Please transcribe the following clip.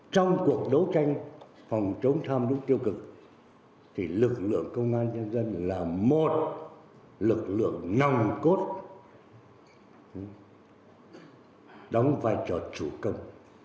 trong cuộc đấu tranh phòng chống tham nhũng tiêu cực thì lực lượng công an nhân dân là một lực lượng nòng cốt đóng vai trò chủ công